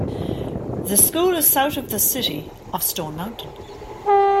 The school is south of the city of Stone Mountain.